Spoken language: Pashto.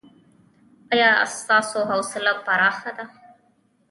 ایا ستاسو حوصله پراخه ده؟